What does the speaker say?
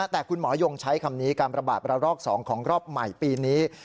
แต่คุณหมอยงใช้คำนี้การประบาดระลอก๒ของรอบใหม่ปีนี้